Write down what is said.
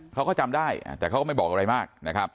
เขาก็จำได้แต่เขาก็ไม่บอกอะไรมากนะครับ